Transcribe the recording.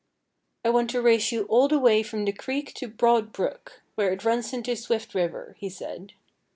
"I want to race you all the way from the creek to Broad Brook, where it runs into Swift River," he said.